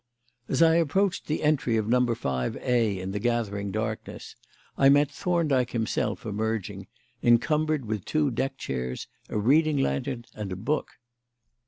As I approached the entry of No. 5A in the gathering darkness I met Thorndyke himself emerging, encumbered with two deck chairs, a reading lantern, and a book.